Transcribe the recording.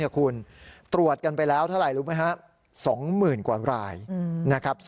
คุณตรวจกันไปแล้วเท่าไหร่รู้ไหมฮะ